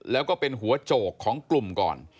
แล้วก็เป็นหัวโจกของกลุ่มก่อน